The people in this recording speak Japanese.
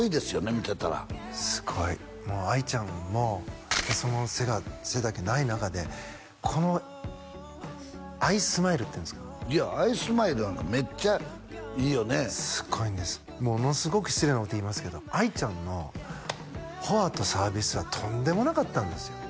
見てたらすごいもう愛ちゃんも背が背丈ない中でこの愛スマイルっていうんですかいや愛スマイルなんかめっちゃいいよねすごいんですものすごく失礼なこと言いますけど愛ちゃんのフォアとサービスはとんでもなかったんですよ